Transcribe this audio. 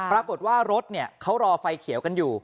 ปรากฏว่ารถเขารอไฟเขียวกันอยู่